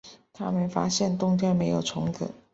他们发现冬天没有虫子